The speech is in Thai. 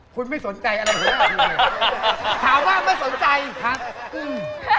คุณไม่สนใจอะไรงาน